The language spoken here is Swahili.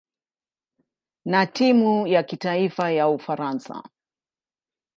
na timu ya kitaifa ya Ufaransa.